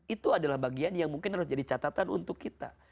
itu adalah bagian yang mungkin harus jadi catatan untuk kita